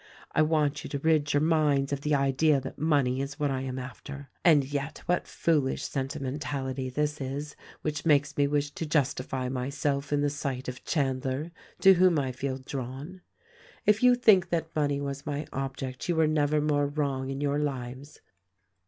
"I want you to rid your minds of the idea that money is what I am after. (And yet what foolish sentimen tality this is, which makes me wish to justify myself in the sight of Chandler, — to whom I feel drawn!) If you think that money was my object, you were never more wrong in your lives.